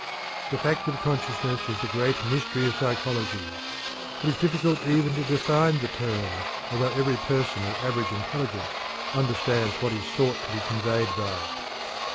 The fact of consciousness is the great mystery of psychology. It is difficult even to define the term, although every person of average intelligence understands what is sought to be conveyed by it.